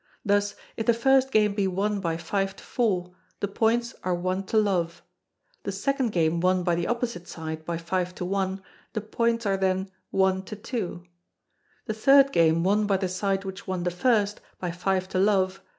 Thus, if the first Game be won by 5 to 4, the Points are 1 to love; the second Game won by the opposite side by 5 to 1, the Points are then 1 to 2; the third Game won by the side which won the first, by 5 to love.